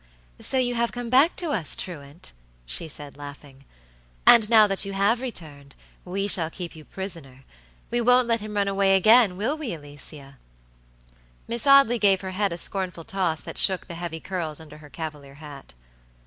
"So you have come back to us, truant?" she said, laughing. "And now that you have returned, we shall keep you prisoner. We won't let him run away again, will we, Alicia?" Miss Audley gave her head a scornful toss that shook the heavy curls under her cavalier hat.